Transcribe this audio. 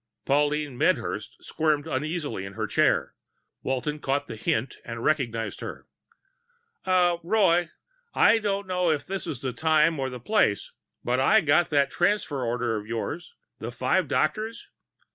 Pauline Medhurst squirmed uneasily in her chair. Walton caught the hint and recognized her. "Uh, Roy, I don't know if this is the time or the place, but I got that transfer order of yours, the five doctors...."